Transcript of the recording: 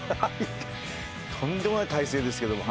とんでもない体勢ですけども。